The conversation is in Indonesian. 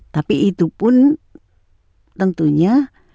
tapi itu pun tentunya